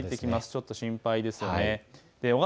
ちょっと心配ですよね。